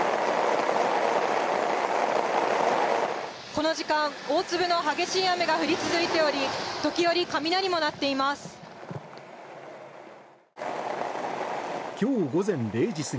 この時間大粒の激しい雨が降り続いており時折、雷も鳴っています。